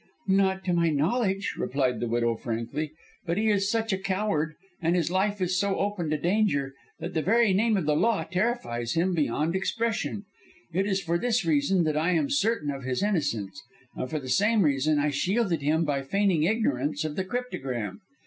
"Not to my knowledge," replied the widow, frankly, "but he is such a coward, and his life is so open to danger, that the very name of the law terrifies him beyond expression. It is for this reason that I am certain of his innocence, and for the same reason I shielded him by feigning ignorance of the cryptogram.